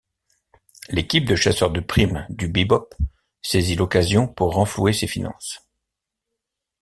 L'équipe de chasseurs de prime du Bebop saisit l'occasion pour renflouer ses finances.